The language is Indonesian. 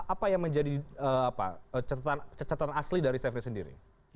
apa yang menjadi catatan asli dari safri sendiri